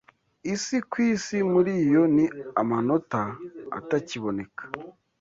Isi ku isi muri yo ni amanota atakiboneka